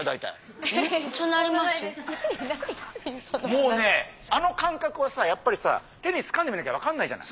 もうねあの感覚はさやっぱりさ手につかんでみなきゃ分かんないじゃない。